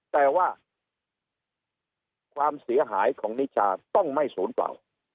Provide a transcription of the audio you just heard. แต่ว่าความเสียหายของนิชาต้องไม่ศูนย์เปล่า